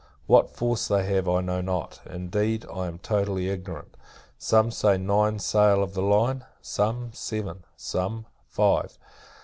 What force they have, I know not; indeed, I am totally ignorant: some say, nine sail of the line; some, seven; some, five.